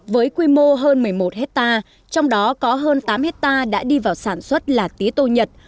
với quy mô hơn một mươi một hectare trong đó có hơn tám hectare đã đi vào sản xuất là tía tô nhật